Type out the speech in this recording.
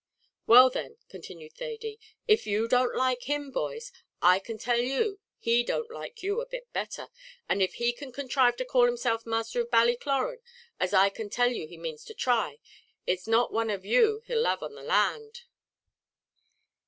"Well then," continued Thady, "if you don't like him, boys, I can tell you he don't like you a bit better; and if he can contrive to call himself masther at Ballycloran, as I can tell you he manes to try, it's not one of you he'll lave on the land."